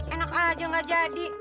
enak aja nggak jadi